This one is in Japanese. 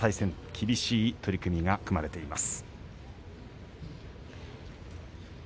厳しい取組が組まれています。